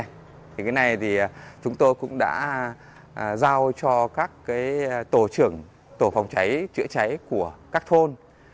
thì cái này thì chúng tôi cũng đã giao cho các cái tổ trưởng tổ phòng cháy chữa cháy của các thôn